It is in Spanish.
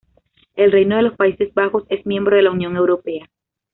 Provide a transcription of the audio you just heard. El Reino de los Países Bajos es miembro de la Unión Europea.